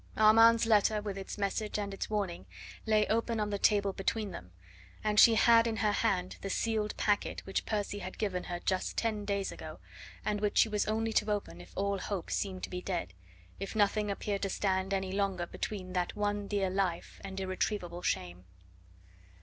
Armand's letter, with its message and its warning, lay open on the table between them, and she had in her hand the sealed packet which Percy had given her just ten days ago, and which she was only to open if all hope seemed to be dead, if nothing appeared to stand any longer between that one dear life and irretrievable shame.